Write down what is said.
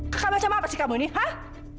kakak macam apa sih kamu ini hah